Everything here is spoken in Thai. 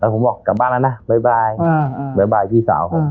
แล้วผมบอกกลับบ้านแล้วนะบ๊ายบายอืมบ๊ายบายพี่สาวผมอืม